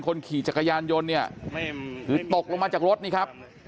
คนขี่จักรยานยนต์เนี่ยคือตกลงมาจากรถนี่ครับ